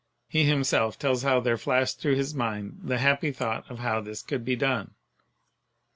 He himself tells how there flashed through his mind the happy thought of how this could be done.